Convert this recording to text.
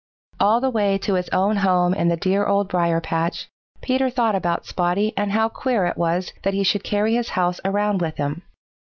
All the way to his own home in the dear Old Briar patch, Peter thought about Spotty and how queer it was that he should carry his house around with him.